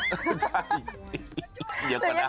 โอ้ยน่ากลัว